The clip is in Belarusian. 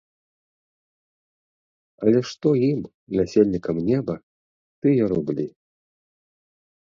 Але што ім, насельнікам неба, тыя рублі.